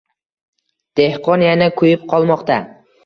Dehqon yana kuyib qolmoqda